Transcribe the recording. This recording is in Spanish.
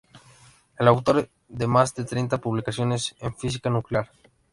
Es autor de más de treinta publicaciones en física nuclear.